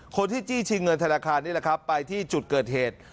คนที่จี้ชีเงินธนาคารนี้ไปที่จุดเกิดเหตุ